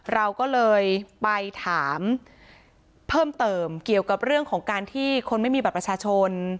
เราก็เลยไปถามเพิ่มเติมเกี่ยวกับเรื่องของการที่คนไม่มีบัตรประชาชน